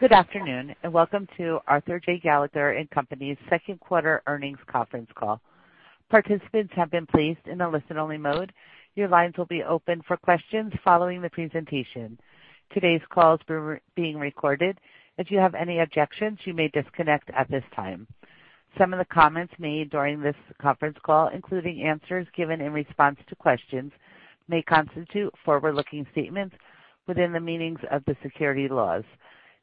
Good afternoon, and welcome to Arthur J. Gallagher & Company's second quarter earnings conference call. Participants have been placed in a listen-only mode. Your lines will be open for questions following the presentation. Today's call is being recorded. If you have any objections, you may disconnect at this time. Some of the comments made during this conference call, including answers given in response to questions, may constitute forward-looking statements within the meanings of the securities laws.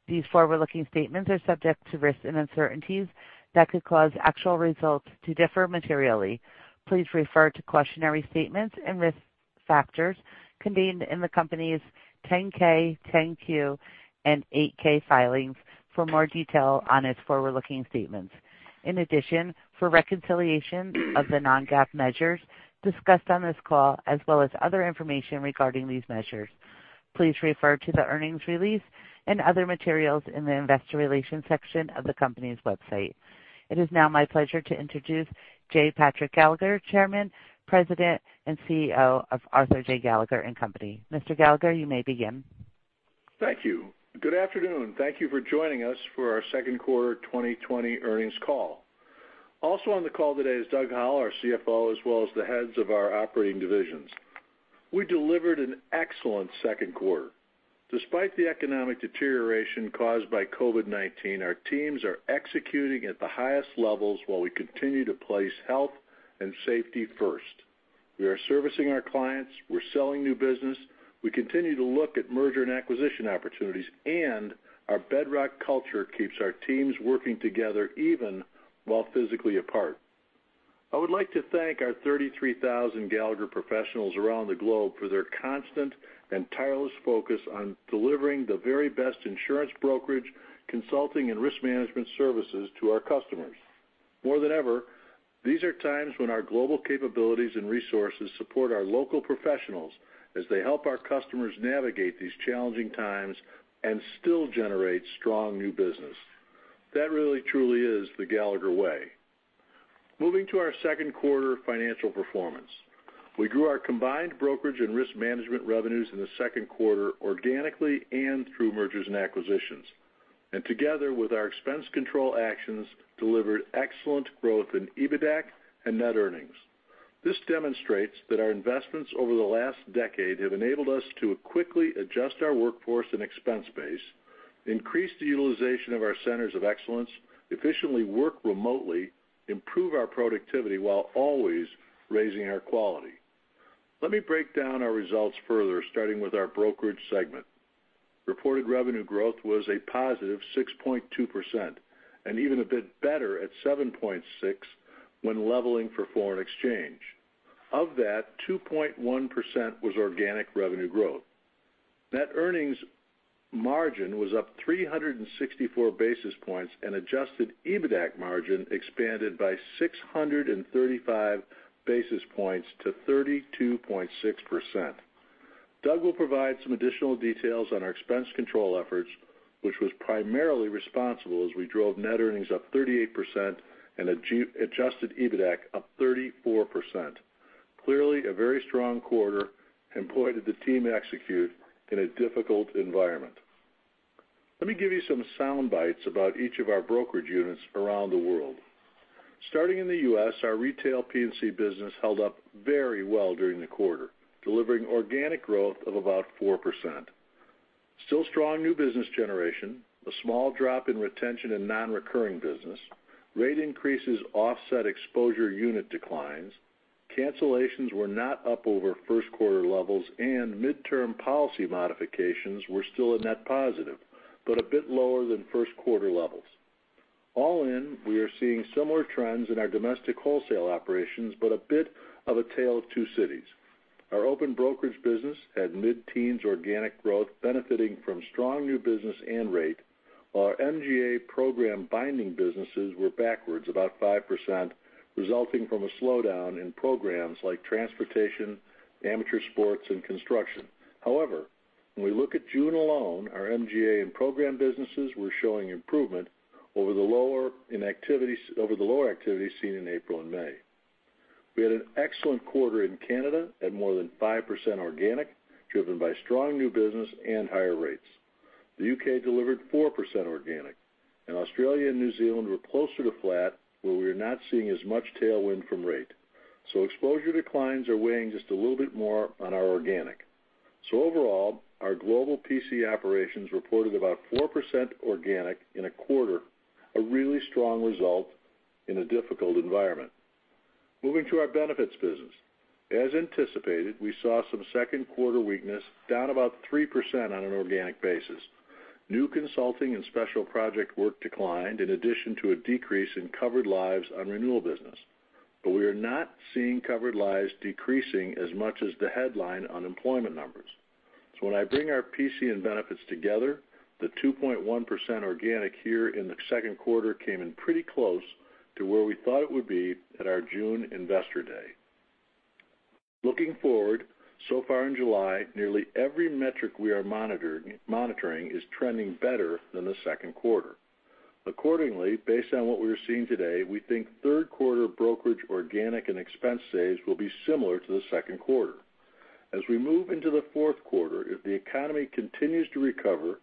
These forward-looking statements are subject to risks and uncertainties that could cause actual results to differ materially. Please refer to cautionary statements and risk factors contained in the company's 10-K, 10-Q, and 8-K filings for more detail on its forward-looking statements. In addition, for reconciliation of the non-GAAP measures discussed on this call, as well as other information regarding these measures, please refer to the earnings release and other materials in the investor relations section of the company's website. It is now my pleasure to introduce J. Patrick Gallagher, Chairman, President, and CEO of Arthur J. Gallagher & Company. Mr. Gallagher, you may begin. Thank you. Good afternoon. Thank you for joining us for our second quarter 2020 earnings call. Also on the call today is Doug Howell, our CFO, as well as the heads of our operating divisions. We delivered an excellent second quarter. Despite the economic deterioration caused by COVID-19, our teams are executing at the highest levels while we continue to place health and safety first. We are servicing our clients. We're selling new business. We continue to look at merger and acquisition opportunities, and our bedrock culture keeps our teams working together even while physically apart. I would like to thank our 33,000 Gallagher professionals around the globe for their constant and tireless focus on delivering the very best insurance brokerage, consulting, and risk management services to our customers. More than ever, these are times when our global capabilities and resources support our local professionals as they help our customers navigate these challenging times and still generate strong new business. That really, truly is the Gallagher Way. Moving to our second quarter financial performance, we grew our combined brokerage and risk management revenues in the second quarter organically and through mergers and acquisitions. Together with our expense control actions, we delivered excellent growth in EBITDA and net earnings. This demonstrates that our investments over the last decade have enabled us to quickly adjust our workforce and expense base, increase the utilization of our centers of excellence, efficiently work remotely, improve our productivity while always raising our quality. Let me break down our results further, starting with our brokerage segment. Reported revenue growth was a positive 6.2% and even a bit better at 7.6% when leveling for foreign exchange. Of that, 2.1% was organic revenue growth. Net earnings margin was up 364 basis points and adjusted EBITDA margin expanded by 635 basis points to 32.6%. Doug will provide some additional details on our expense control efforts, which was primarily responsible as we drove net earnings up 38% and adjusted EBITDA up 34%. Clearly, a very strong quarter and pointed the team execute in a difficult environment. Let me give you some sound bites about each of our brokerage units around the world. Starting in the U.S., our retail P&C business held up very well during the quarter, delivering organic growth of about 4%. Still strong new business generation, a small drop in retention and non-recurring business, rate increases offset exposure unit declines, cancellations were not up over first quarter levels, and midterm policy modifications were still a net positive, but a bit lower than first quarter levels. All in, we are seeing similar trends in our domestic wholesale operations, but a bit of a tale of two cities. Our open brokerage business had mid-teens organic growth benefiting from strong new business and rate. Our MGA program binding businesses were backwards about 5%, resulting from a slowdown in programs like transportation, amateur sports, and construction. However, when we look at June alone, our MGA and program businesses were showing improvement over the lower activity seen in April and May. We had an excellent quarter in Canada at more than 5% organic, driven by strong new business and higher rates. The UK delivered 4% organic, and Australia and New Zealand were closer to flat, where we are not seeing as much tailwind from rate. Exposure declines are weighing just a little bit more on our organic. Overall, our global P&C operations reported about 4% organic in a quarter, a really strong result in a difficult environment. Moving to our benefits business. As anticipated, we saw some second quarter weakness, down about 3% on an organic basis. New consulting and special project work declined in addition to a decrease in covered lives on renewal business. We are not seeing covered lives decreasing as much as the headline unemployment numbers. When I bring our P&C and benefits together, the 2.1% organic here in the second quarter came in pretty close to where we thought it would be at our June investor day. Looking forward, so far in July, nearly every metric we are monitoring is trending better than the second quarter. Accordingly, based on what we are seeing today, we think third quarter brokerage organic and expense saves will be similar to the second quarter. As we move into the fourth quarter, if the economy continues to recover, it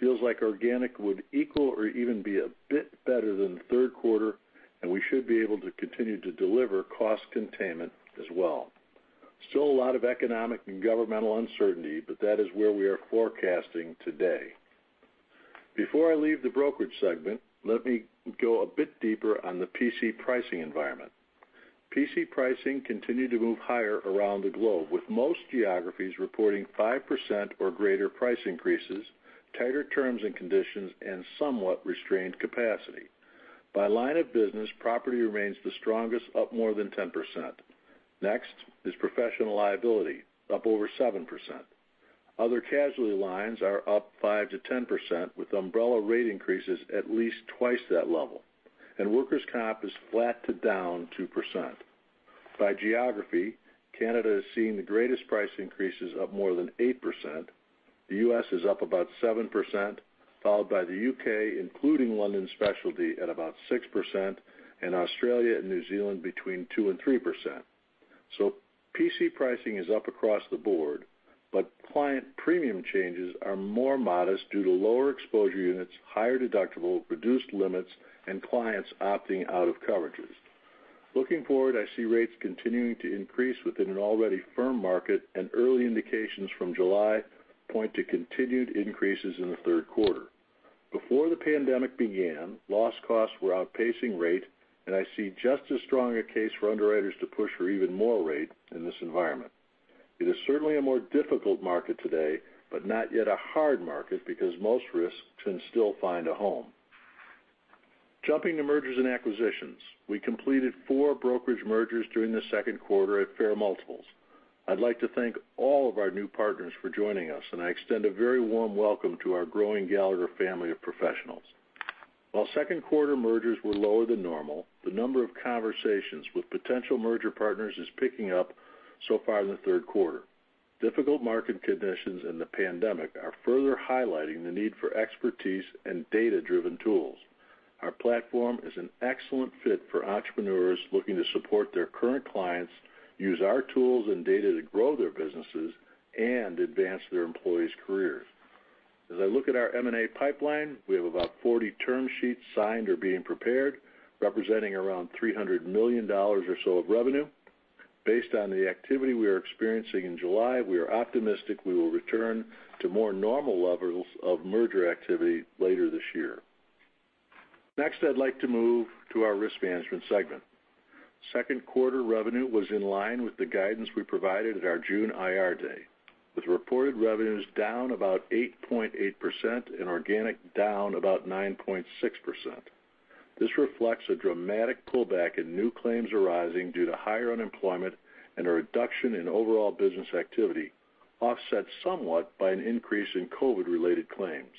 feels like organic would equal or even be a bit better than third quarter, and we should be able to continue to deliver cost containment as well. Still a lot of economic and governmental uncertainty, but that is where we are forecasting today. Before I leave the brokerage segment, let me go a bit deeper on the P&C pricing environment. P&C pricing continued to move higher around the globe, with most geographies reporting 5% or greater price increases, tighter terms and conditions, and somewhat restrained capacity. By line of business, property remains the strongest, up more than 10%. Next is professional liability, up over 7%. Other casualty lines are up 5%-10% with umbrella rate increases at least twice that level. Workers' comp is flat to down 2%. By geography, Canada has seen the greatest price increases of more than 8%. The U.S. is up about 7%, followed by the UK, including London Specialty, at about 6%, and Australia and New Zealand between 2%-3%. P&C pricing is up across the board, but client premium changes are more modest due to lower exposure units, higher deductible, reduced limits, and clients opting out of coverages. Looking forward, I see rates continuing to increase within an already firm market, and early indications from July point to continued increases in the third quarter. Before the pandemic began, loss costs were outpacing rate, and I see just as strong a case for underwriters to push for even more rate in this environment. It is certainly a more difficult market today, but not yet a hard market because most risks can still find a home. Jumping to mergers and acquisitions, we completed four brokerage mergers during the second quarter at fair multiples. I'd like to thank all of our new partners for joining us, and I extend a very warm welcome to our growing Gallagher family of professionals. While second quarter mergers were lower than normal, the number of conversations with potential merger partners is picking up so far in the third quarter. Difficult market conditions and the pandemic are further highlighting the need for expertise and data-driven tools. Our platform is an excellent fit for entrepreneurs looking to support their current clients, use our tools and data to grow their businesses, and advance their employees' careers. As I look at our M&A pipeline, we have about 40 term sheets signed or being prepared, representing around $300 million or so of revenue. Based on the activity we are experiencing in July, we are optimistic we will return to more normal levels of merger activity later this year. Next, I'd like to move to our risk management segment. Second quarter revenue was in line with the guidance we provided at our June IR day, with reported revenues down about 8.8% and organic down about 9.6%. This reflects a dramatic pullback in new claims arising due to higher unemployment and a reduction in overall business activity, offset somewhat by an increase in COVID-related claims.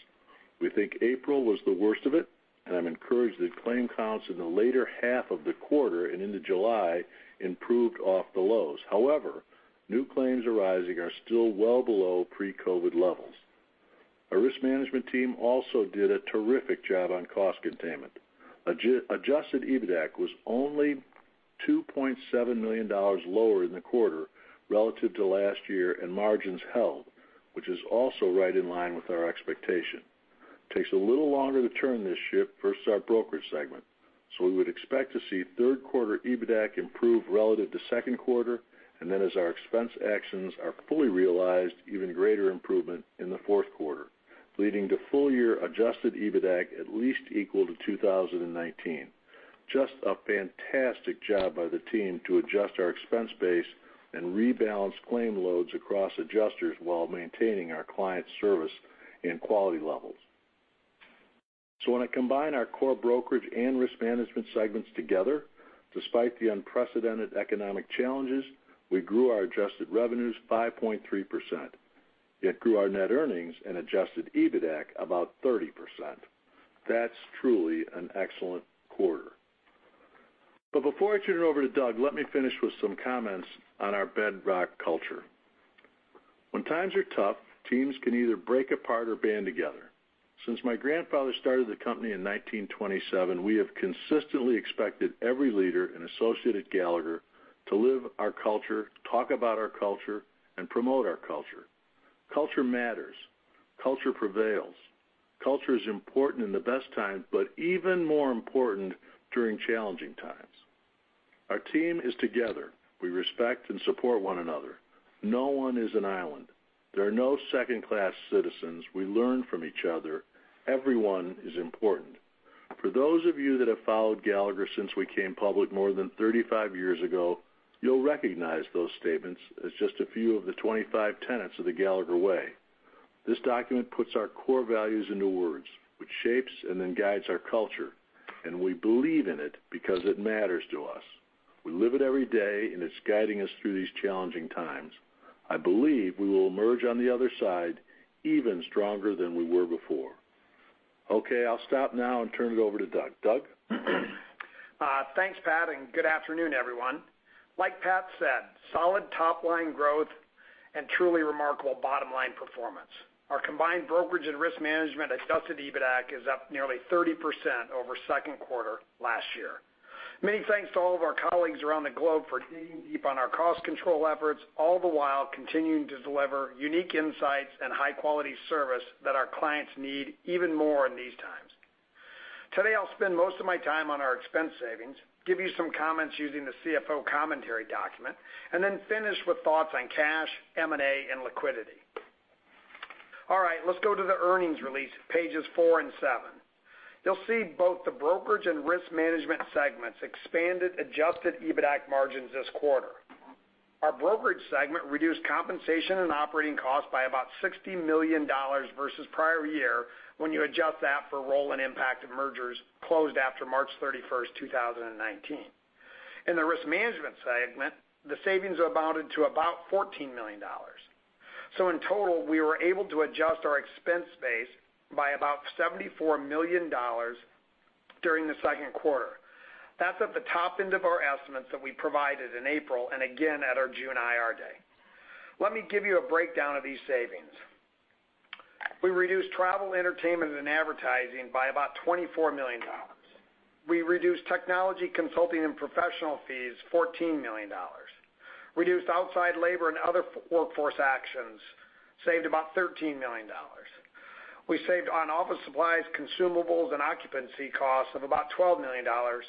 We think April was the worst of it, and I'm encouraged that claim counts in the later half of the quarter and into July improved off the lows. However, new claims arising are still well below pre-COVID levels. Our risk management team also did a terrific job on cost containment. Adjusted EBITDA was only $2.7 million lower in the quarter relative to last year and margins held, which is also right in line with our expectation. It takes a little longer to turn this ship versus our brokerage segment, so we would expect to see third quarter EBITDA improve relative to second quarter, and then as our expense actions are fully realized, even greater improvement in the fourth quarter, leading to full-year adjusted EBITDA at least equal to 2019. Just a fantastic job by the team to adjust our expense base and rebalance claim loads across adjusters while maintaining our client service and quality levels. When I combine our core brokerage and risk management segments together, despite the unprecedented economic challenges, we grew our adjusted revenues 5.3%. It grew our net earnings and adjusted EBITDA about 30%. That's truly an excellent quarter. Before I turn it over to Doug, let me finish with some comments on our bedrock culture. When times are tough, teams can either break apart or band together. Since my grandfather started the company in 1927, we have consistently expected every leader and associate at Gallagher to live our culture, talk about our culture, and promote our culture. Culture matters. Culture prevails. Culture is important in the best times, but even more important during challenging times. Our team is together. We respect and support one another. No one is an island. There are no second-class citizens. We learn from each other. Everyone is important. For those of you that have followed Gallagher since we came public more than 35 years ago, you'll recognize those statements as just a few of the 25 tenets of the Gallagher Way. This document puts our core values into words, which shapes and then guides our culture, and we believe in it because it matters to us. We live it every day, and it's guiding us through these challenging times. I believe we will emerge on the other side even stronger than we were before. Okay, I'll stop now and turn it over to Doug. Doug? Thanks, Pat, and good afternoon, everyone. Like Pat said, solid top-line growth and truly remarkable bottom-line performance. Our combined brokerage and risk management adjusted EBITDA is up nearly 30% over second quarter last year. Many thanks to all of our colleagues around the globe for digging deep on our cost control efforts, all the while continuing to deliver unique insights and high-quality service that our clients need even more in these times. Today, I'll spend most of my time on our expense savings, give you some comments using the CFO commentary document, and then finish with thoughts on cash, M&A, and liquidity. All right, let's go to the earnings release, pages four and seven. You'll see both the brokerage and risk management segments expanded adjusted EBITDA margins this quarter. Our brokerage segment reduced compensation and operating costs by about $60 million versus prior year when you adjust that for roll-in impact of mergers closed after March 31, 2019. In the risk management segment, the savings amounted to about $14 million. In total, we were able to adjust our expense base by about $74 million during the second quarter. That's at the top end of our estimates that we provided in April and again at our June IR day. Let me give you a breakdown of these savings. We reduced travel, entertainment, and advertising by about $24 million. We reduced technology, consulting, and professional fees by $14 million. Reduced outside labor and other workforce actions saved about $13 million. We saved on office supplies, consumables, and occupancy costs of about $12 million, and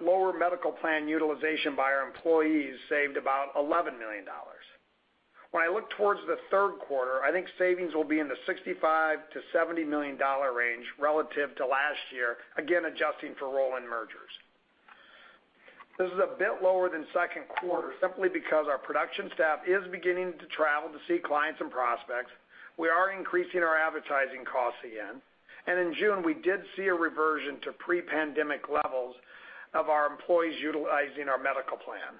lower medical plan utilization by our employees saved about $11 million. When I look towards the third quarter, I think savings will be in the $65 million-$70 million range relative to last year, again adjusting for roll-in mergers. This is a bit lower than second quarter simply because our production staff is beginning to travel to see clients and prospects. We are increasing our advertising costs again. In June, we did see a reversion to pre-pandemic levels of our employees utilizing our medical plan.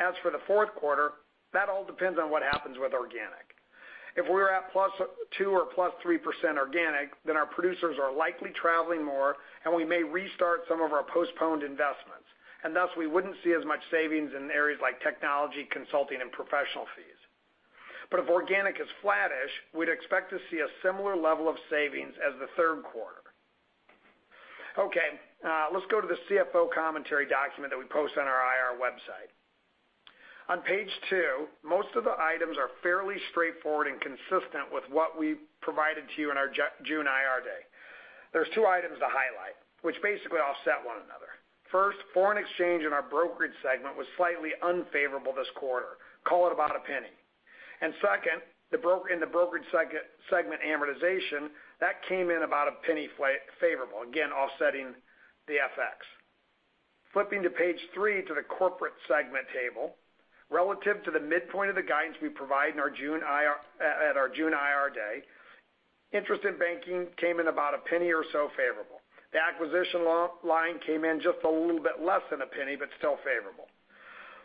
As for the fourth quarter, that all depends on what happens with organic. If we're at plus 2% or plus 3% organic, then our producers are likely traveling more, and we may restart some of our postponed investments. Thus, we wouldn't see as much savings in areas like technology, consulting, and professional fees. If organic is flattish, we'd expect to see a similar level of savings as the third quarter. Okay, let's go to the CFO commentary document that we post on our IR website. On page two, most of the items are fairly straightforward and consistent with what we provided to you in our June IR day. There are two items to highlight, which basically offset one another. First, foreign exchange in our brokerage segment was slightly unfavorable this quarter, call it about a penny. Second, in the brokerage segment amortization, that came in about a penny favorable, again offsetting the FX. Flipping to page three to the corporate segment table, relative to the midpoint of the guidance we provide at our June IR day, interest in banking came in about a penny or so favorable. The acquisition line came in just a little bit less than a penny, but still favorable.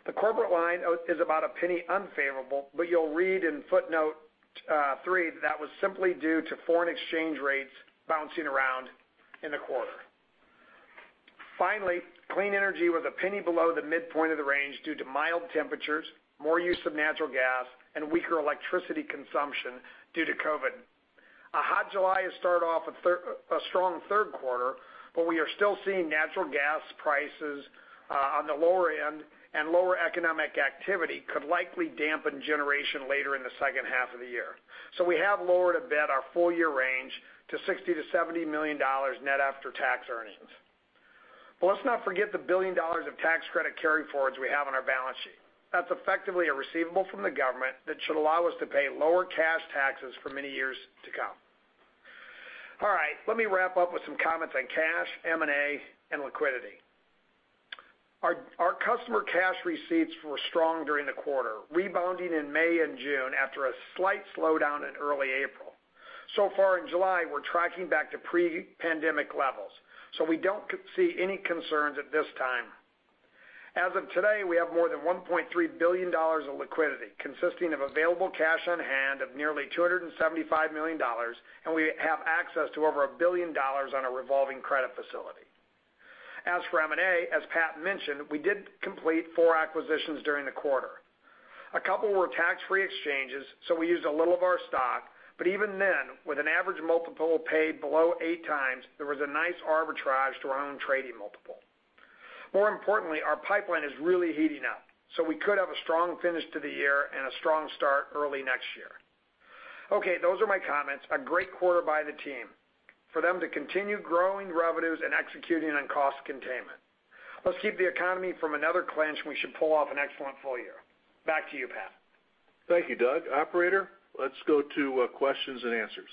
The corporate line is about a penny unfavorable, but you'll read in footnote three that that was simply due to foreign exchange rates bouncing around in the quarter. Finally, clean energy was a penny below the midpoint of the range due to mild temperatures, more use of natural gas, and weaker electricity consumption due to COVID. A hot July has started off a strong third quarter, but we are still seeing natural gas prices on the lower end, and lower economic activity could likely dampen generation later in the second half of the year. We have lowered a bit our full-year range to $60 million-$70 million net after-tax earnings. Let's not forget the billion dollars of tax credit carry forwards we have on our balance sheet. That's effectively a receivable from the government that should allow us to pay lower cash taxes for many years to come. All right, let me wrap up with some comments on cash, M&A, and liquidity. Our customer cash receipts were strong during the quarter, rebounding in May and June after a slight slowdown in early April. So far in July, we're tracking back to pre-pandemic levels, so we don't see any concerns at this time. As of today, we have more than $1.3 billion of liquidity, consisting of available cash on hand of nearly $275 million, and we have access to over a billion dollars on a revolving credit facility. As for M&A, as Pat mentioned, we did complete four acquisitions during the quarter. A couple were tax-free exchanges, so we used a little of our stock, but even then, with an average multiple paid below eight times, there was a nice arbitrage to our own trading multiple. More importantly, our pipeline is really heating up, so we could have a strong finish to the year and a strong start early next year. Okay, those are my comments. A great quarter by the team for them to continue growing revenues and executing on cost containment. Let's keep the economy from another clinch, and we should pull off an excellent full year. Back to you, Pat. Thank you, Doug. Operator, let's go to questions and answers.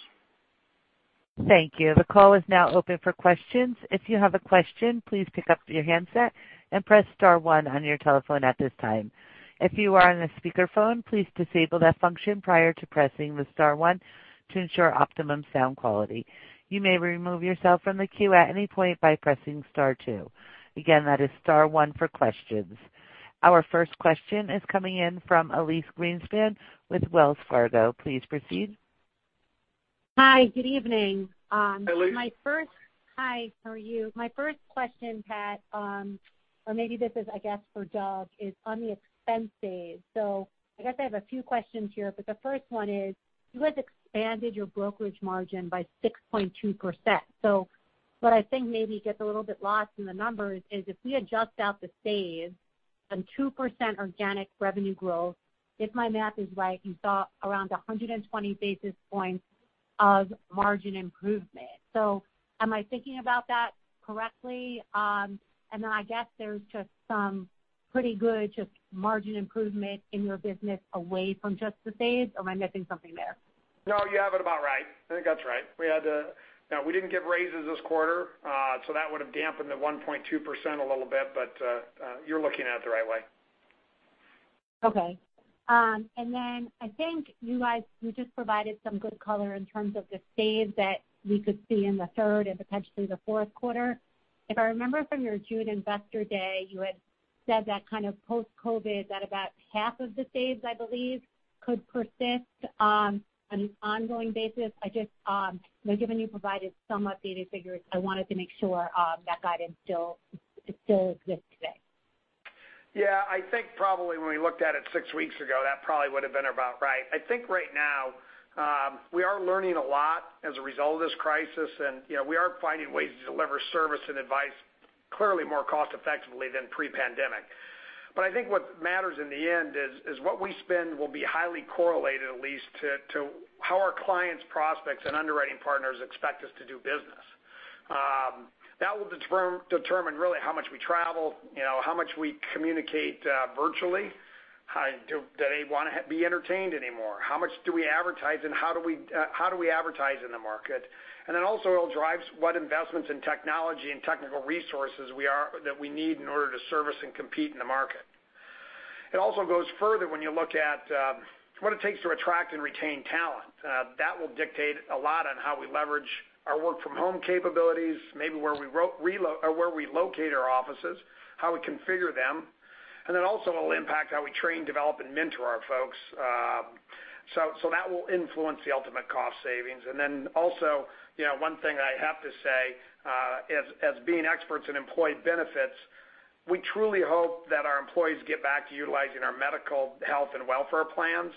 Thank you. The call is now open for questions. If you have a question, please pick up your handset and press star one on your telephone at this time. If you are on a speakerphone, please disable that function prior to pressing the star one to ensure optimum sound quality. You may remove yourself from the queue at any point by pressing star two. Again, that is star one for questions. Our first question is coming in from Elyse Greenspan with Wells Fargo. Please proceed. Hi, good evening. Hi, Elyse. My first—hi, how are you? My first question, Pat, or maybe this is, I guess, for Doug, is on the expense saves. I guess I have a few questions here, but the first one is, you guys expanded your brokerage margin by 6.2%. What I think maybe gets a little bit lost in the numbers is if we adjust out the saves and 2% organic revenue growth, if my math is right, you saw around 120 basis points of margin improvement. Am I thinking about that correctly? I guess there is just some pretty good margin improvement in your business away from just the saves, or am I missing something there? No, you have it about right. I think that's right. We had to—now, we did not give raises this quarter, so that would have dampened the 1.2% a little bit, but you are looking at it the right way. Okay. I think you guys just provided some good color in terms of the saves that we could see in the third and potentially the fourth quarter. If I remember from your June investor day, you had said that kind of post-COVID that about half of the saves, I believe, could persist on an ongoing basis. I just—given you provided some updated figures, I wanted to make sure that guidance still exists today. Yeah, I think probably when we looked at it six weeks ago, that probably would have been about right. I think right now we are learning a lot as a result of this crisis, and we are finding ways to deliver service and advice clearly more cost-effectively than pre-pandemic. I think what matters in the end is what we spend will be highly correlated, at least, to how our clients, prospects, and underwriting partners expect us to do business. That will determine really how much we travel, how much we communicate virtually, how do they want to be entertained anymore, how much do we advertise, and how do we advertise in the market. It will also drive what investments in technology and technical resources we need in order to service and compete in the market. It also goes further when you look at what it takes to attract and retain talent. That will dictate a lot on how we leverage our work-from-home capabilities, maybe where we locate our offices, how we configure them. It will also impact how we train, develop, and mentor our folks. That will influence the ultimate cost savings. One thing I have to say, as being experts in employee benefits, we truly hope that our employees get back to utilizing our medical, health, and welfare plans.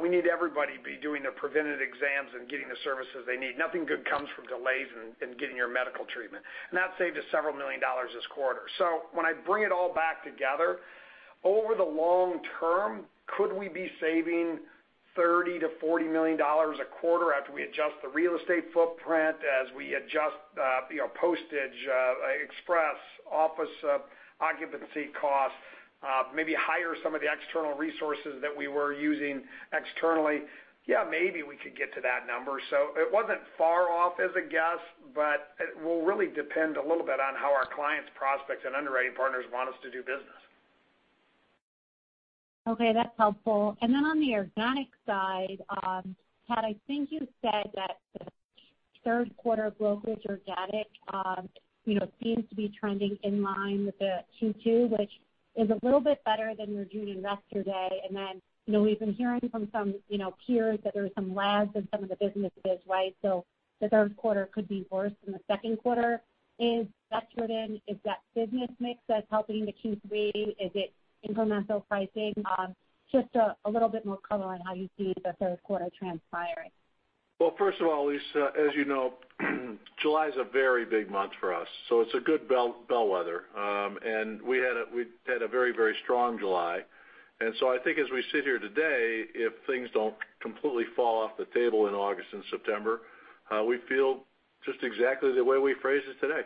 We need everybody to be doing their preventative exams and getting the services they need. Nothing good comes from delays in getting your medical treatment. That saved us several million dollars this quarter. When I bring it all back together, over the long term, could we be saving $30 million-$40 million a quarter after we adjust the real estate footprint as we adjust postage express office occupancy costs, maybe hire some of the external resources that we were using externally? Yeah, maybe we could get to that number. It was not far off as a guess, but it will really depend a little bit on how our clients, prospects, and underwriting partners want us to do business. Okay, that's helpful. On the organic side, Pat, I think you said that the third quarter brokerage organic seems to be trending in line with the Q2, which is a little bit better than your June investor day. We've been hearing from some peers that there are some lags in some of the businesses, right? The third quarter could be worse than the second quarter. Is that driven? Is that business mix that's helping the Q3? Is it incremental pricing? Just a little bit more color on how you see the third quarter transpiring. First of all, Elyse, as you know, July is a very big month for us. It's a good bellwether. We had a very, very strong July. I think as we sit here today, if things do not completely fall off the table in August and September, we feel just exactly the way we phrased it today.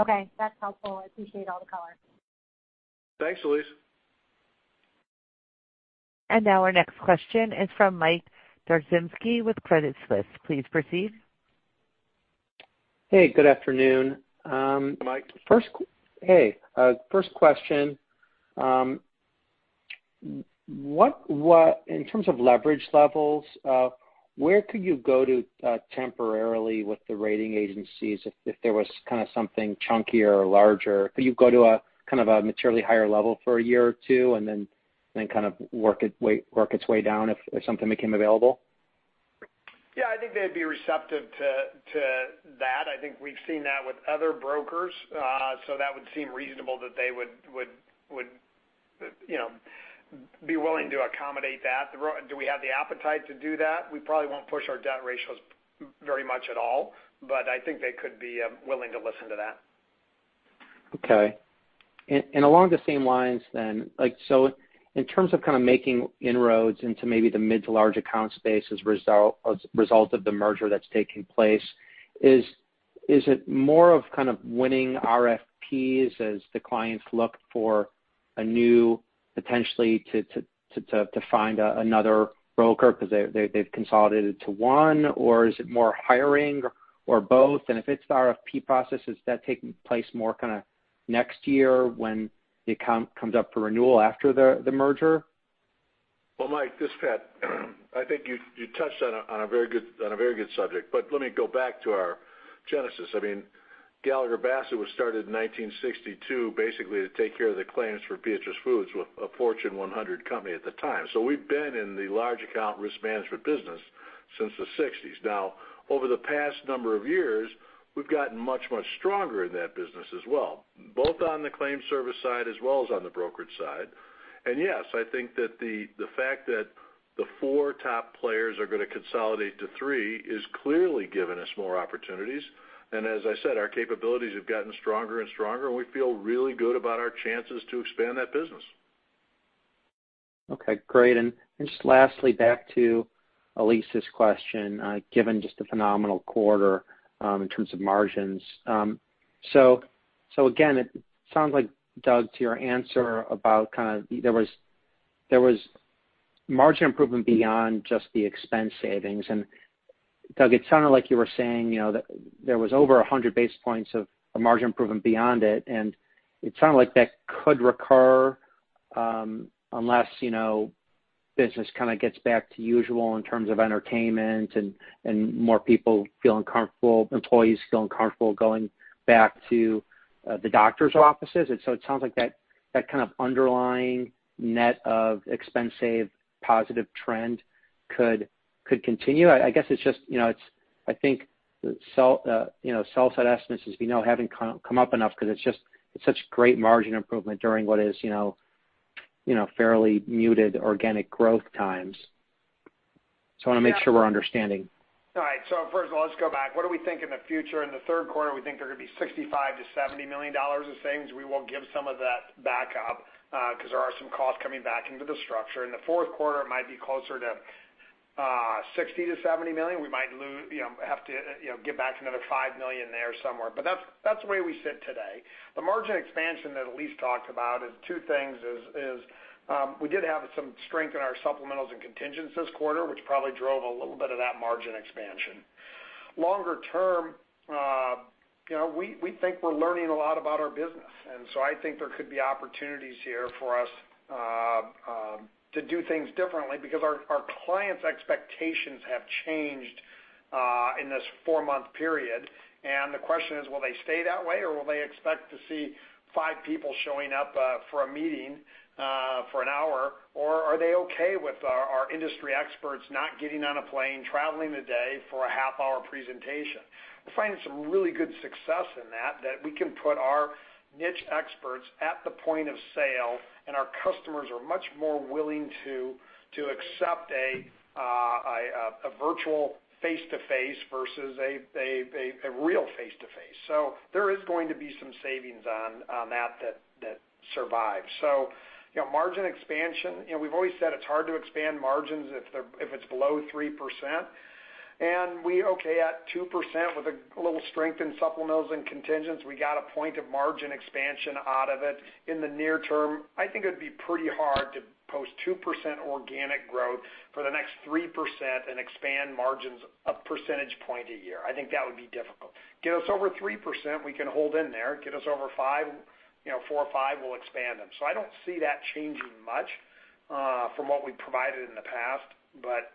Okay, that is helpful. I appreciate all the color. Thanks, Elyse. Our next question is from Mike Zaremski with Credit Suisse. Please proceed. Hey, good afternoon. Hey, Mike. Hey, first question. In terms of leverage levels, where could you go temporarily with the rating agencies if there was kind of something chunkier or larger? Could you go to kind of a materially higher level for a year or two and then kind of work its way down if something became available? I think they would be receptive to that. I think we have seen that with other brokers, so that would seem reasonable that they would be willing to accommodate that. Do we have the appetite to do that? We probably won't push our debt ratios very much at all, but I think they could be willing to listen to that. Okay. Along the same lines then, in terms of kind of making inroads into maybe the mid to large account space as a result of the merger that's taking place, is it more of kind of winning RFPs as the clients look for a new potentially to find another broker because they've consolidated to one, or is it more hiring or both? If it's the RFP process, is that taking place more kind of next year when the account comes up for renewal after the merger? Mike, this is Pat, I think you touched on a very good subject, but let me go back to our genesis. I mean, Gallagher Bassett was started in 1962 basically to take care of the claims for Beatrice Foods, a Fortune 100 company at the time. We have been in the large account risk management business since the 1960s. Now, over the past number of years, we have gotten much, much stronger in that business as well, both on the claim service side as well as on the brokerage side. Yes, I think that the fact that the four top players are going to consolidate to three is clearly giving us more opportunities. As I said, our capabilities have gotten stronger and stronger, and we feel really good about our chances to expand that business. Okay, great. Just lastly, back to Elyse's question, given just a phenomenal quarter in terms of margins. Again, it sounds like, Doug, to your answer about kind of there was margin improvement beyond just the expense savings. Doug, it sounded like you were saying that there was over 100 basis points of margin improvement beyond it, and it sounded like that could recur unless business kind of gets back to usual in terms of entertainment and more people feeling comfortable, employees feeling comfortable going back to the doctor's offices. It sounds like that kind of underlying net of expense-save positive trend could continue. I guess it's just, I think, the sell-side estimates as we know haven't come up enough because it's such great margin improvement during what is fairly muted organic growth times. I want to make sure we're understanding. All right. First of all, let's go back. What do we think in the future? In the third quarter, we think there could be $65 million-$70 million of savings. We will give some of that back up because there are some costs coming back into the structure. In the fourth quarter, it might be closer to $60 million-$70 million. We might have to give back another $5 million there somewhere. That is where we sit today. The margin expansion that Elyse talked about is two things. We did have some strength in our supplementals and contingents this quarter, which probably drove a little bit of that margin expansion. Longer term, we think we are learning a lot about our business. I think there could be opportunities here for us to do things differently because our clients' expectations have changed in this four-month period. The question is, will they stay that way, or will they expect to see five people showing up for a meeting for an hour, or are they okay with our industry experts not getting on a plane, traveling a day for a half-hour presentation? We're finding some really good success in that, that we can put our niche experts at the point of sale, and our customers are much more willing to accept a virtual face-to-face versus a real face-to-face. There is going to be some savings on that that survives. Margin expansion, we've always said it's hard to expand margins if it's below 3%. We're okay at 2% with a little strength in supplementals and contingents. We got a point of margin expansion out of it. In the near term, I think it'd be pretty hard to post 2% organic growth for the next 3% and expand margins a percentage point a year. I think that would be difficult. Get us over 3%, we can hold in there. Get us over 4 or 5, we'll expand them. I don't see that changing much from what we provided in the past, but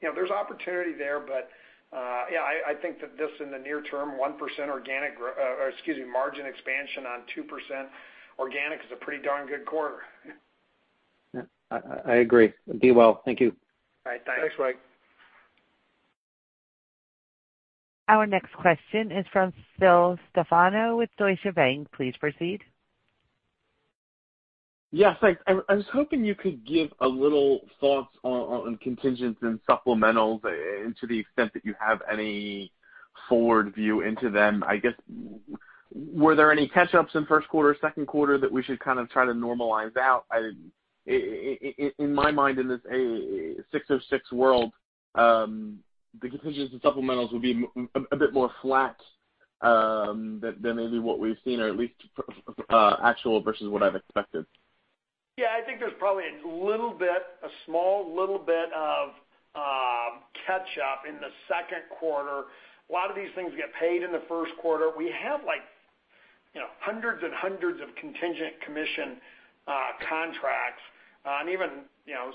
there's opportunity there. Yeah, I think that this in the near term, 1% organic or excuse me, margin expansion on 2% organic is a pretty darn good quarter. I agree. Be well. Thank you. All right. Thanks. Thanks, Mike. Our next question is from Phil Stefano with Deutsche Bank. Please proceed. Yes. I was hoping you could give a little thoughts on contingents and supplementals and to the extent that you have any forward view into them. I guess, were there any catch-ups in first quarter, second quarter that we should kind of try to normalize out? In my mind, in this 606 world, the contingents and supplementals would be a bit more flat than maybe what we've seen, or at least actual versus what I've expected. Yeah, I think there's probably a little bit, a small little bit of catch-up in the second quarter. A lot of these things get paid in the first quarter. We have hundreds and hundreds of contingent commission contracts and even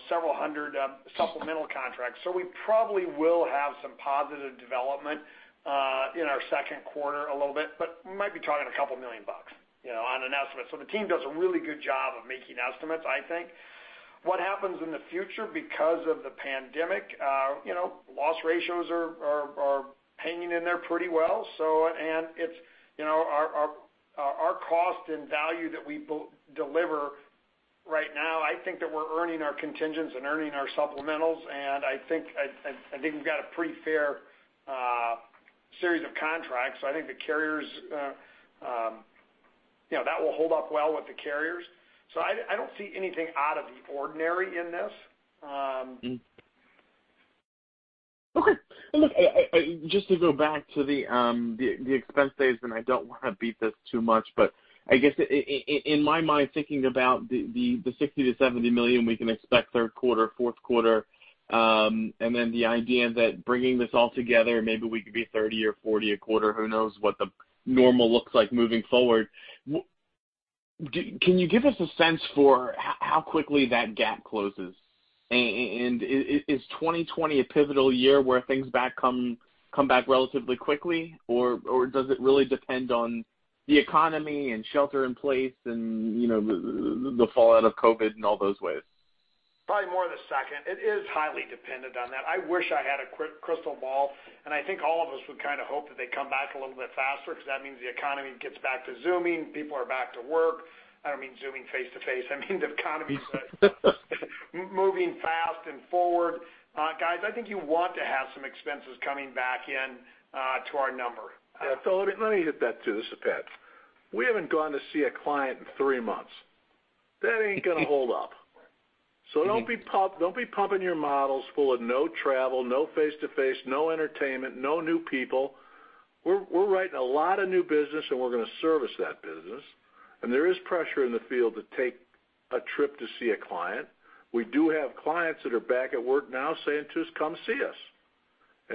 several hundred supplemental contracts. We probably will have some positive development in our second quarter a little bit, but we might be talking a couple million bucks on an estimate. The team does a really good job of making estimates, I think. What happens in the future because of the pandemic? Loss ratios are hanging in there pretty well. Our cost and value that we deliver right now, I think that we're earning our contingents and earning our supplementals. I think we've got a pretty fair series of contracts. I think the carriers that will hold up well with the carriers. I don't see anything out of the ordinary in this. Okay. Look, just to go back to the expense savings, I don't want to beat this too much, but I guess in my mind, thinking about the $60 million-$70 million we can expect third quarter, fourth quarter, and then the idea that bringing this all together, maybe we could be $30 million or $40 million a quarter. Who knows what the normal looks like moving forward? Can you give us a sense for how quickly that gap closes? Is 2020 a pivotal year where things come back relatively quickly, or does it really depend on the economy and shelter in place and the fallout of COVID and all those ways? Probably more the second. It is highly dependent on that. I wish I had a crystal ball, and I think all of us would kind of hope that they come back a little bit faster because that means the economy gets back to zooming. People are back to work. I do not mean zooming face-to-face. I mean the economy moving fast and forward. Guys, I think you want to have some expenses coming back into our number. Yeah. Let me hit that too. This is Pat. We have not gone to see a client in three months. That is not going to hold up. Do not be pumping your models full of no travel, no face-to-face, no entertainment, no new people. We're writing a lot of new business, and we're going to service that business. There is pressure in the field to take a trip to see a client. We do have clients that are back at work now saying to us, "Come see us."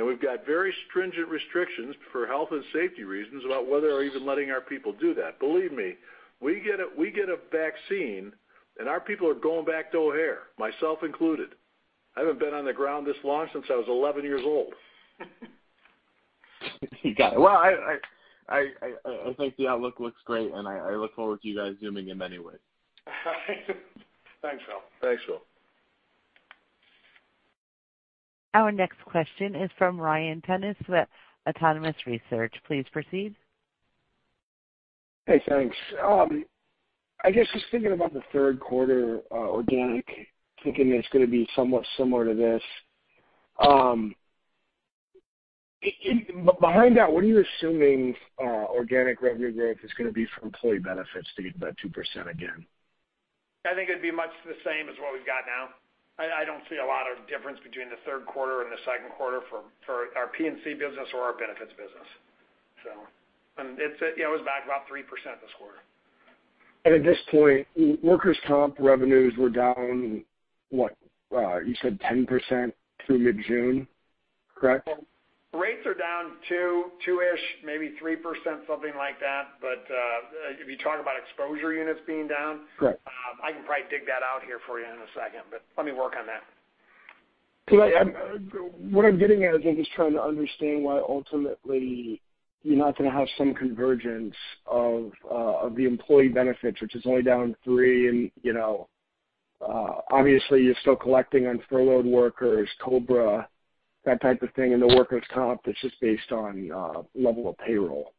We've got very stringent restrictions for health and safety reasons about whether we're even letting our people do that. Believe me, we get a vaccine, and our people are going back to O'Hare, myself included. I haven't been on the ground this long since I was 11 years old. You got it. I think the outlook looks great, and I look forward to you guys zooming in anyway. Thanks, Phil. Thanks, Phil. Our next question is from Ryan Tunis with Autonomous Research. Please proceed. Hey, thanks. I guess just thinking about the third quarter organic, thinking it's going to be somewhat similar to this. Behind that, what are you assuming organic revenue growth is going to be for employee benefits to get that 2% again? I think it'd be much the same as what we've got now. I don't see a lot of difference between the third quarter and the second quarter for our P&C business or our benefits business. It was back about 3% this quarter. At this point, workers' comp revenues were down, what, you said 10% through mid-June, correct? Rates are down 2%-3%, something like that. If you talk about exposure units being down, I can probably dig that out here for you in a second, but let me work on that. What I'm getting at is I'm just trying to understand why ultimately you're not going to have some convergence of the employee benefits, which is only down 3%. Obviously, you're still collecting on furloughed workers, COBRA, that type of thing, and the workers' comp that's just based on level of payroll.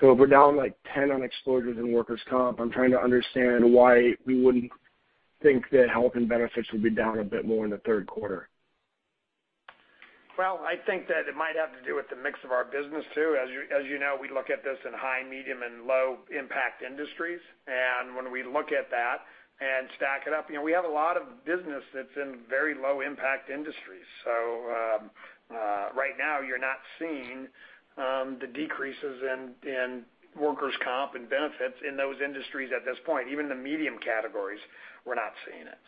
If we're down like 10% on exposures and workers' comp, I'm trying to understand why we wouldn't think that health and benefits would be down a bit more in the third quarter. I think that it might have to do with the mix of our business too. As you know, we look at this in high, medium, and low-impact industries. When we look at that and stack it up, we have a lot of business that's in very low-impact industries. Right now, you're not seeing the decreases in workers' comp and benefits in those industries at this point. Even the medium categories, we're not seeing it.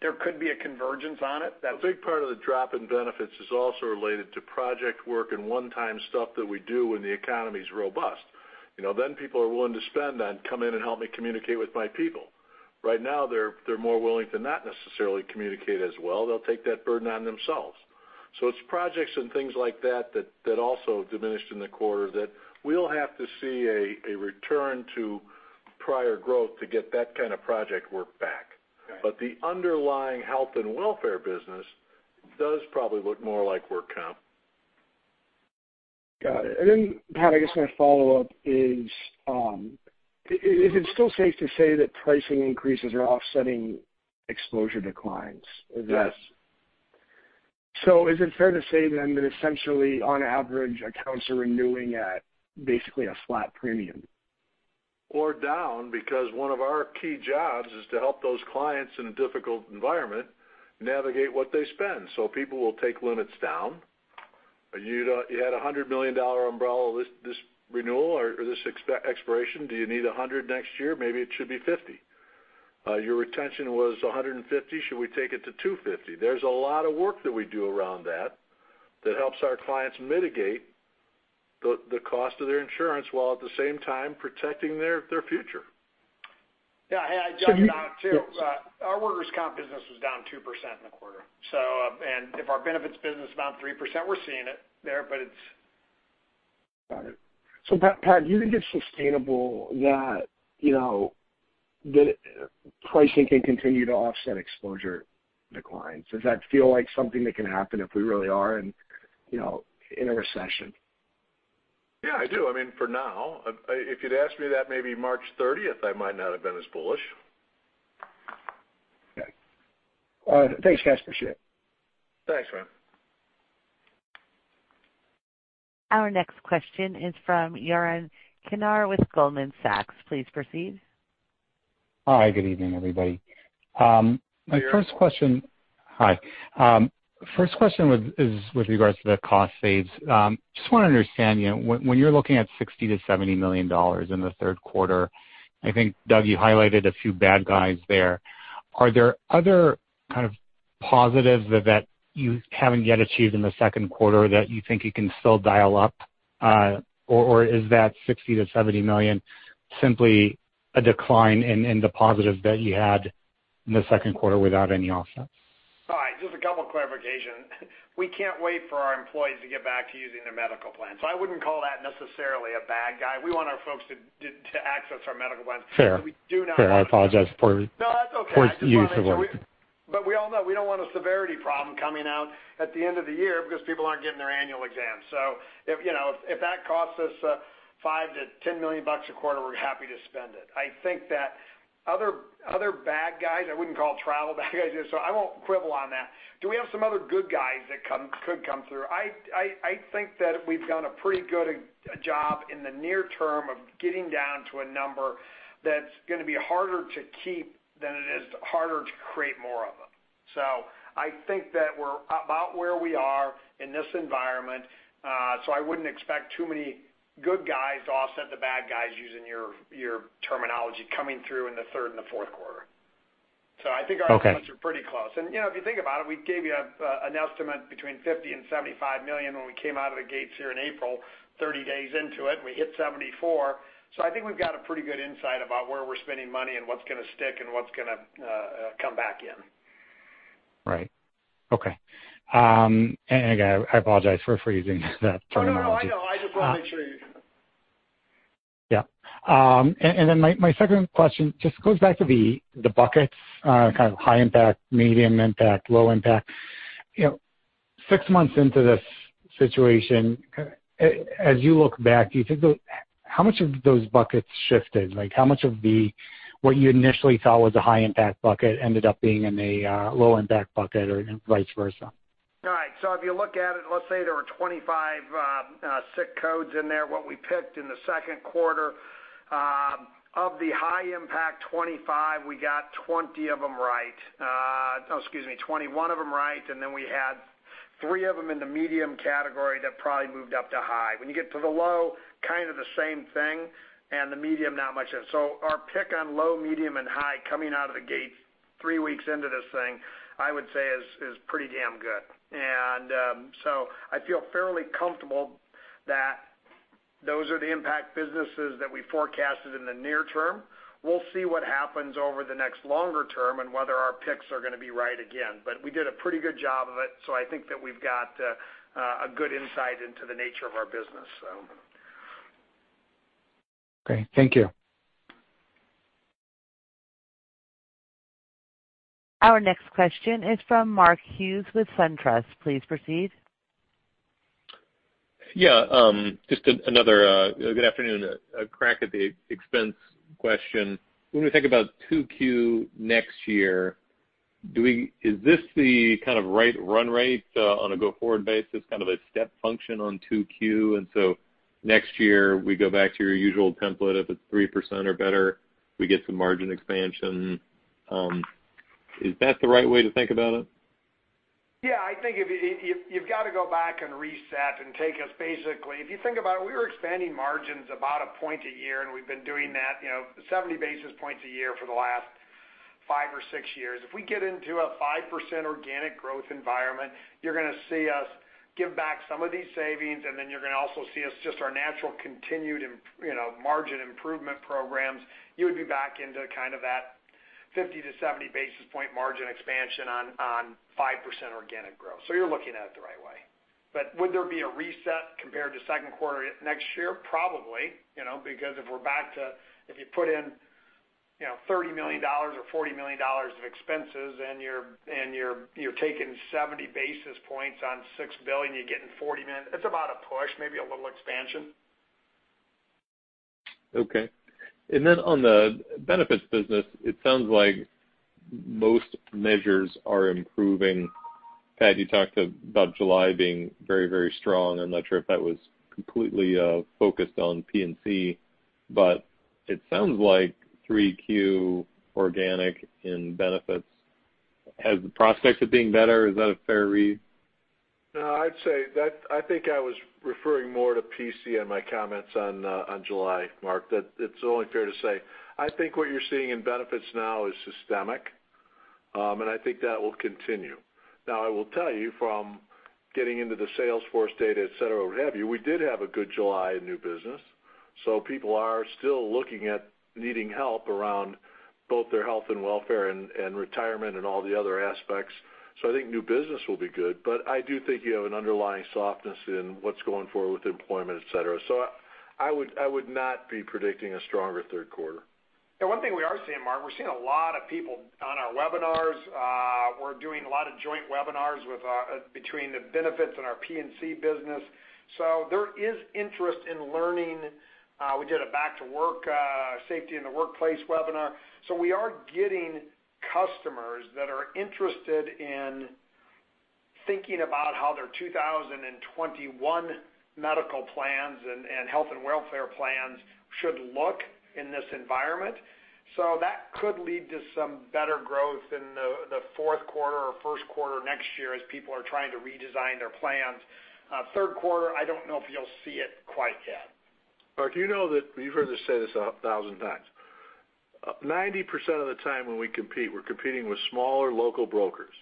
There could be a convergence on it. A big part of the drop in benefits is also related to project work and one-time stuff that we do when the economy's robust. Then people are willing to spend on, "Come in and help me communicate with my people." Right now, they're more willing to not necessarily communicate as well. They'll take that burden on themselves. It's projects and things like that that also diminished in the quarter that we'll have to see a return to prior growth to get that kind of project work back. The underlying health and welfare business does probably look more like work comp. Got it. Pat, I guess my follow-up is, is it still safe to say that pricing increases are offsetting exposure declines? Yes. Is it fair to say then that essentially, on average, accounts are renewing at basically a flat premium? Or down because one of our key jobs is to help those clients in a difficult environment navigate what they spend. People will take limits down. You had a $100 million umbrella this renewal or this expiration. Do you need $100 million next year? Maybe it should be $50 million. Your retention was $150 million. Should we take it to $250 million? There is a lot of work that we do around that that helps our clients mitigate the cost of their insurance while at the same time protecting their future. Yeah. Hey, I jumped out too. Our workers' comp business was down 2% in the quarter. If our benefits business is down 3%, we're seeing it there, but it's. Got it. Pat, do you think it's sustainable that pricing can continue to offset exposure declines? Does that feel like something that can happen if we really are in a recession? Yeah, I do. I mean, for now, if you'd asked me that maybe March 30, I might not have been as bullish. Okay. Thanks, guys. Appreciate it. Thanks, man. Our next question is from Yaron Kinar with Goldman Sachs. Please proceed. Hi. Good evening, everybody. My first question. Hi. First question is with regards to the cost saves. Just want to understand, when you're looking at $60 million-$70 million in the third quarter, I think, Doug, you highlighted a few bad guys there. Are there other kind of positives that you haven't yet achieved in the second quarter that you think you can still dial up, or is that $60 million-$70 million simply a decline in the positives that you had in the second quarter without any offsets? All right. Just a couple of clarifications. We can't wait for our employees to get back to using their medical plan. So I wouldn't call that necessarily a bad guy. We want our folks to access our medical plans. We do not want. Fair. I apologize for. No, that's okay. Points of use. But we all know we don't want a severity problem coming out at the end of the year because people aren't getting their annual exams. So if that costs us $5 million-$10 million a quarter, we're happy to spend it. I think that other bad guys, I would not call travel bad guys either, so I will not quibble on that. Do we have some other good guys that could come through? I think that we have done a pretty good job in the near term of getting down to a number that is going to be harder to keep than it is harder to create more of them. I think that we are about where we are in this environment. I would not expect too many good guys to offset the bad guys, using your terminology, coming through in the third and the fourth quarter. I think our expenses are pretty close. If you think about it, we gave you an estimate between $50 million and $75 million when we came out of the gates here in April, 30 days into it, and we hit $74 million. I think we've got a pretty good insight about where we're spending money and what's going to stick and what's going to come back in. Right. Okay. Again, I apologize for freezing that terminology. No, no, no. I do. I just want to make sure you. Yeah. My second question just goes back to the buckets, kind of high impact, medium impact, low impact. Six months into this situation, as you look back, do you think how much of those buckets shifted? How much of what you initially thought was a high impact bucket ended up being in a low impact bucket or vice versa? All right. If you look at it, let's say there were 25 SIC codes in there. What we picked in the second quarter of the high impact, 25, we got 20 of them right. Excuse me, 21 of them right. We had three of them in the medium category that probably moved up to high. When you get to the low, kind of the same thing, and the medium not much of it. Our pick on low, medium, and high coming out of the gates three weeks into this thing, I would say, is pretty damn good. I feel fairly comfortable that those are the impact businesses that we forecasted in the near term. We'll see what happens over the next longer term and whether our picks are going to be right again. We did a pretty good job of it, so I think that we've got a good insight into the nature of our business. Thank you. Our next question is from Mark Hughes with SunTrust. Please proceed. Yeah. Just another good afternoon, a crack at the expense question. When we think about 2Q next year, is this the kind of run rate on a go-forward basis, kind of a step function on 2Q? Next year, we go back to your usual template. If it's 3% or better, we get some margin expansion. Is that the right way to think about it? Yeah. I think you've got to go back and reset and take us basically if you think about it, we were expanding margins about a point a year, and we've been doing that 70 basis points a year for the last five or six years. If we get into a 5% organic growth environment, you're going to see us give back some of these savings, and then you're going to also see us just our natural continued margin improvement programs. You would be back into kind of that 50-70 basis point margin expansion on 5% organic growth. You're looking at it the right way. Would there be a reset compared to second quarter next year? Probably. If we're back to if you put in $30 million or $40 million of expenses and you're taking 70 basis points on $6 billion, you're getting $40 million. It's about a push, maybe a little expansion. Okay. On the benefits business, it sounds like most measures are improving. Pat, you talked about July being very, very strong. I'm not sure if that was completely focused on P&C, but it sounds like 3Q organic in benefits has the prospect of being better. Is that a fair read? No, I'd say that I think I was referring more to P&C in my comments on July, Mark. It's only fair to say. I think what you're seeing in benefits now is systemic, and I think that will continue. Now, I will tell you from getting into the Salesforce data, etc., what have you, we did have a good July in new business. People are still looking at needing help around both their health and welfare and retirement and all the other aspects. I think new business will be good, but I do think you have an underlying softness in what's going forward with employment, etc. I would not be predicting a stronger third quarter. One thing we are seeing, Mark, we're seeing a lot of people on our webinars. We're doing a lot of joint webinars between the benefits and our P&C business. There is interest in learning. We did a back-to-work safety in the workplace webinar. We are getting customers that are interested in thinking about how their 2021 medical plans and health and welfare plans should look in this environment. That could lead to some better growth in the fourth quarter or first quarter next year as people are trying to redesign their plans. Third quarter, I do not know if you will see it quite yet. Mark, you know that you have heard us say this a thousand times. 90% of the time when we compete, we are competing with smaller local brokers.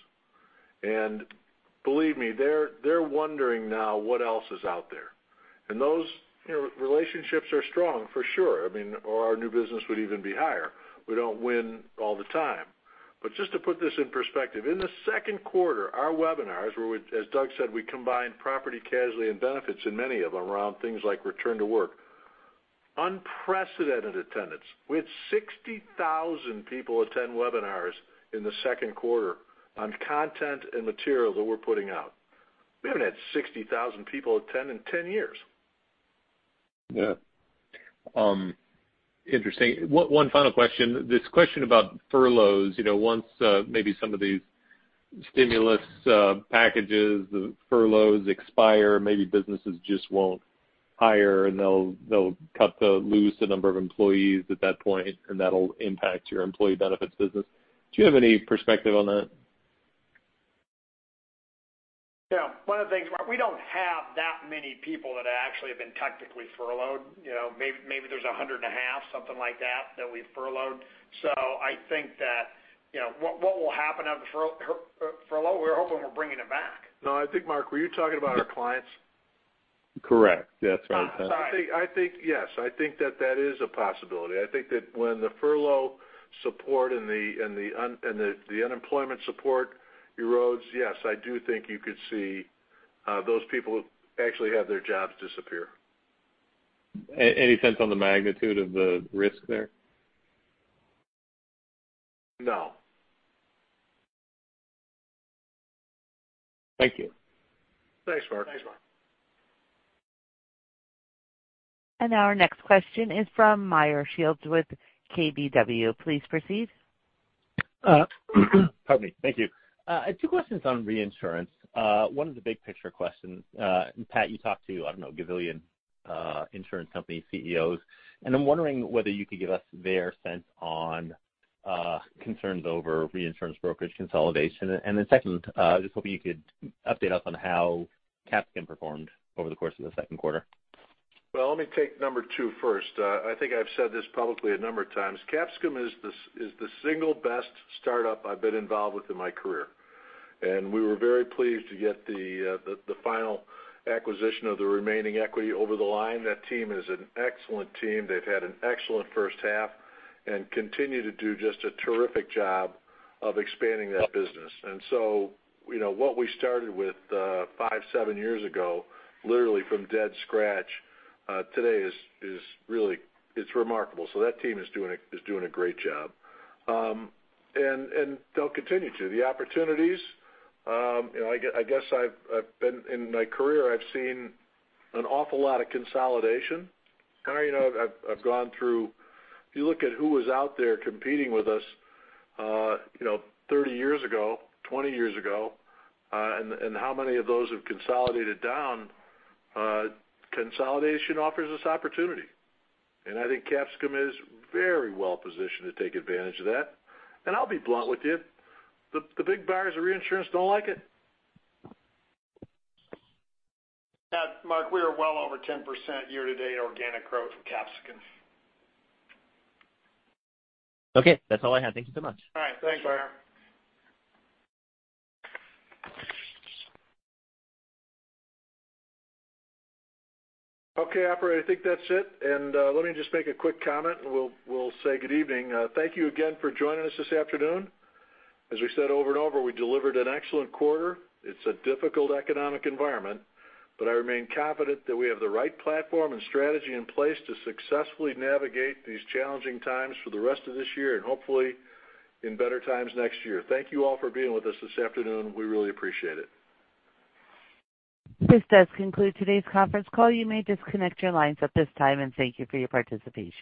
Believe me, they are wondering now what else is out there. Those relationships are strong for sure. I mean, or our new business would even be higher. We do not win all the time. Just to put this in perspective, in the second quarter, our webinars were, as Doug said, we combined property, casualty, and benefits in many of them around things like return to work. Unprecedented attendance. We had 60,000 people attend webinars in the second quarter on content and material that we're putting out. We haven't had 60,000 people attend in 10 years. Yeah. Interesting. One final question. This question about furloughs, once maybe some of these stimulus packages, the furloughs expire, maybe businesses just won't hire, and they'll cut to lose the number of employees at that point, and that'll impact your employee benefits business. Do you have any perspective on that? Yeah. One of the things, Mark, we don't have that many people that actually have been technically furloughed. Maybe there's 100 and a half, something like that, that we've furloughed. I think that what will happen of the furlough, we're hoping we're bringing it back. No, I think, Mark, were you talking about our clients? Correct. That's what I was saying. I think, yes. I think that that is a possibility. I think that when the furlough support and the unemployment support erodes, yes, I do think you could see those people actually have their jobs disappear. Any sense on the magnitude of the risk there? No. Thank you. Thanks, Mark. Thanks, Mark. Our next question is from Meyer Shields with KBW. Please proceed. Pardon me. Thank you. Two questions on reinsurance. One is a big picture question. Pat, you talked to, I don't know, Gavillion Insurance Company CEOs. I'm wondering whether you could give us their sense on concerns over reinsurance brokerage consolidation. Second, just hoping you could update us on how CapSpecialty performed over the course of the second quarter. Let me take number two first. I think I've said this publicly a number of times. CapSpecialty is the single best startup I've been involved with in my career. We were very pleased to get the final acquisition of the remaining equity over the line. That team is an excellent team. They've had an excellent first half and continue to do just a terrific job of expanding that business. What we started with five, seven years ago, literally from dead scratch, today is really remarkable. That team is doing a great job. They'll continue to. The opportunities, I guess I've been in my career, I've seen an awful lot of consolidation. I've gone through if you look at who was out there competing with us 30 years ago, 20 years ago, and how many of those have consolidated down, consolidation offers us opportunity. I think CapSpecialty is very well positioned to take advantage of that. I'll be blunt with you, the big buyers of reinsurance don't like it. Mark, we are well over 10% year-to-date organic growth in CapSpecialty. Okay. That's all I had. Thank you so much. All right. Thanks, Meyer. Okay, appreciate it, I think that's it. Let me just make a quick comment, and we'll say good evening. Thank you again for joining us this afternoon. As we said over and over, we delivered an excellent quarter.It's a difficult economic environment, but I remain confident that we have the right platform and strategy in place to successfully navigate these challenging times for the rest of this year and hopefully in better times next year. Thank you all for being with us this afternoon. We really appreciate it. This does conclude today's conference call. You may disconnect your lines at this time and thank you for your participation.